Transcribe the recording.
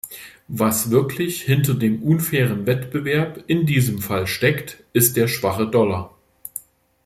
Was wirklich hinter dem unfairen Wettbewerb in diesem Fall steckt, ist der schwache Dollar.